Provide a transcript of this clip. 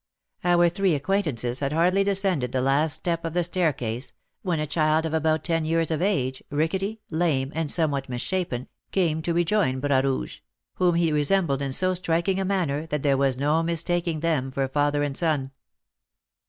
Our three acquaintances had hardly descended the last step of the staircase when a child of about ten years of age, rickety, lame, and somewhat misshapen, came to rejoin Bras Rouge, whom he resembled in so striking a manner that there was no mistaking them for father and son.